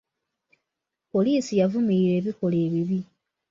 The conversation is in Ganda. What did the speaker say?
Poliisi yavumirira ebikolwa ebibi.